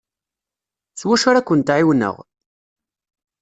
S wacu ara kent-ɛiwneɣ?